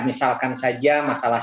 misalkan saja masalah